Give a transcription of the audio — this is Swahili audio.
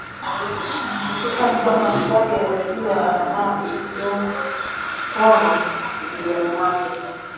hususani kama askari atajua ana mali iliyoporwa kibindoni kwake